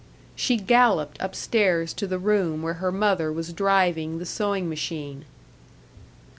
She galloped up stairs to the room where her mother was driving the sewing machine.